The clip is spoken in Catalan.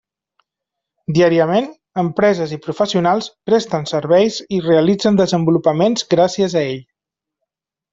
Diàriament, empreses i professionals presten serveis i realitzen desenvolupaments gràcies a ell.